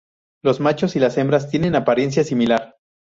Los machos y hembras tienen apariencia similar.